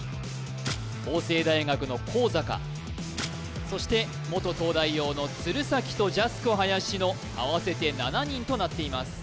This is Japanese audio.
法政大学の向坂そして元東大王の鶴崎とジャスコ林の合わせて７人となっています